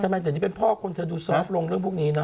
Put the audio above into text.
ทำไมแต่นี่เป็นพ่อคนเธอดูซอฟต์ลงเรื่องพวกนี้เนอ